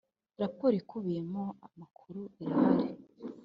Raporo ikubiyemo amakuru irahari